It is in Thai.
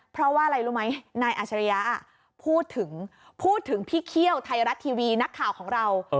เพราะว่าอะไรรู้ไหมนายอาชริยะพูดถึงพูดถึงพี่เขี้ยวไทยรัฐทีวีนักข่าวของเรา